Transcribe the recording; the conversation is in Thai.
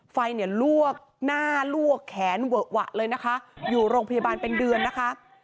ไฟเนี่ยลวกหน้าลวกแขนเวอะหวะเลยนะคะอยู่โรงพยาบาลเป็นเดือนนะคะ